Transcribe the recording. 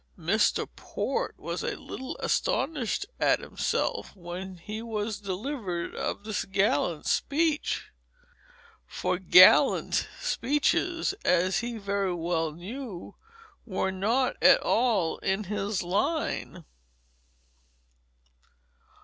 Mr. Port was a little astonished at himself when he was delivered of this gallant speech; for gallant speeches, as he very well knew, were not at all in his line.